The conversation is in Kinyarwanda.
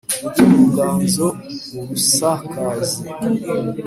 ujye mu nganzo urusakaze